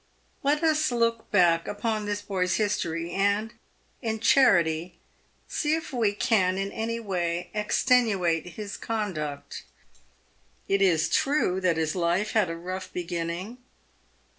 . Let us look back upon this boy's history, and, in charity, see if we can in any way extenuate his conduct. It is true that his life had a rough beginning.